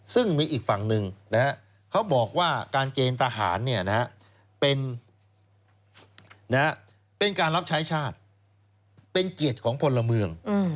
ซึ่งมีอีกฝั่งหนึ่งเขาบอกว่าการเกณฑ์ทหารเป็นการรับใช้ชาติเป็นเกียรติของพลเมือง